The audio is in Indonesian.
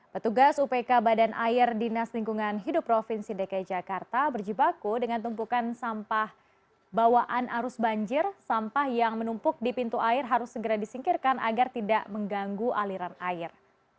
petugas upk badan air dinas lingkungan hidup provinsi dki jakarta berjibaku dengan tumpukan sampah bawaan arus banjir sampah yang menumpuk di pintu air harus segera disingkirkan agar tidak mengganggu aliran air